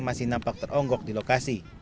masih nampak teronggok di lokasi